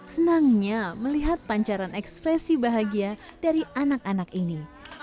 senangnya melihat pancaran ekspresi bahagia dari anak anak ini